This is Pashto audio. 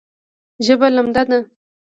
ژبه لمده ده